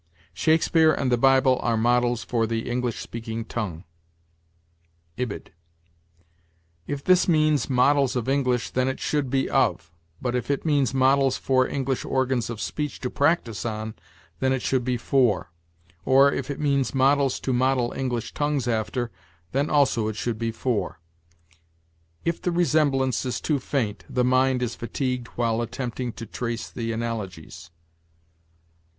"Shakespeare ... and the Bible are ... models for the English speaking tongue." Ibid. If this means models of English, then it should be of; but if it means models for English organs of speech to practice on, then it should be for; or if it means models to model English tongues after, then also it should be for. "If the resemblance is too faint, the mind is fatigued while attempting to trace the analogies."